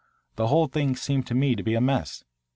The whole thing seemed to me to be a mess.